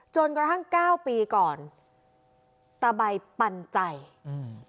จนกระทั่งเก้าปีก่อนตะใบปันใจอืม